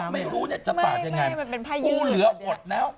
ไม่รู้จะตากยังไงกูเหลือหมดแล้ว